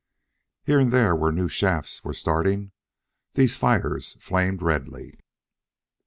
Here and there, where new shafts were starting, these fires flamed redly.